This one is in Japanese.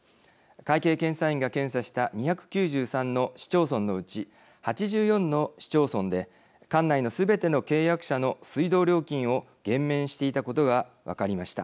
会計検査院が検査した２９３の市町村のうち８４の市町村で管内のすべての契約者の水道料金を減免していたことが分かりました。